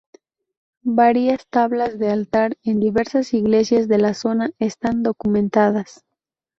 Varias tablas de altar en diversas iglesias de la zona están documentadas.